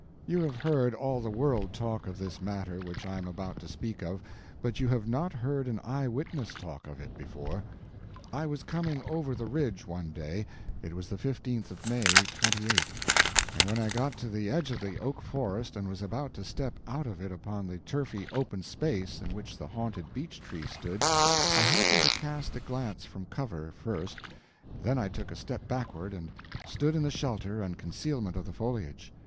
You have heard all the world talk of this matter which I am about to speak of, but you have not heard an eyewitness talk of it before. I was coming from over the ridge, one day—it was the 15th of May, '28—and when I got to the edge of the oak forest and was about to step out of it upon the turfy open space in which the haunted beech tree stood, I happened to cast a glance from cover, first—then I took a step backward, and stood in the shelter and concealment of the foliage.